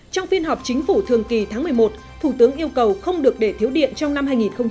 trong phiên họp chính phủ thường kỳ tháng một mươi một thủ tướng yêu cầu không được để thiếu điện trong năm hai nghìn hai mươi